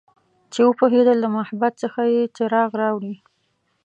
چې وپوهیدل د محبس څخه یې څراغ راوړي